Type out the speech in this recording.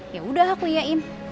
yaudah aku iain